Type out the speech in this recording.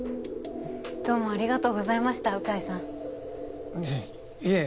どうもありがとうございました鵜飼さんいえ